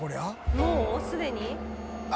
もうすでに？あ！